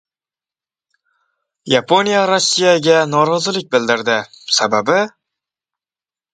Yaponiya Rossiyaga norozilik bildirdi. Sababi...